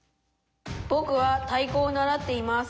「ぼくは太鼓を習っています」。